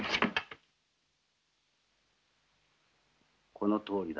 このとおりだ。